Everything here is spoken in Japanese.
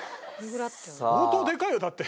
相当でかいよだって。